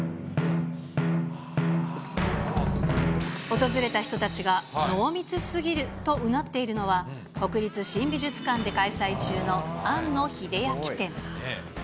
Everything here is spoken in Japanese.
訪れた人たちが、濃密すぎるとうなっているのは、国立新美術館で開催中の庵野秀明展。